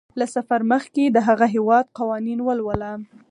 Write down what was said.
له سفر مخکې د هغه هیواد قوانین ولوله.